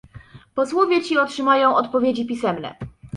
Posłowie ci otrzymają odpowiedzi pisemne